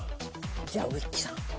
じゃあウィッキーさん？